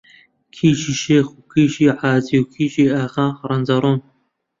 کیژی شێخ و کیژی حاجی و کیژی ئاغا ڕەنجەڕۆن